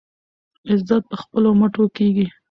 عزت په خپلو مټو کیږي.